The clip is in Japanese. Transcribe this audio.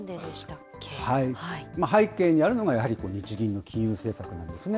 背景にあるのがやはり日銀の金融政策なんですね。